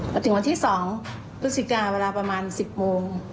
ประติภัณฑ์ที่สองรู้สึกการเวลาประมาณสิบโมง